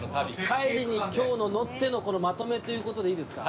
海里に今日の乗ってのこのまとめということでいいですか？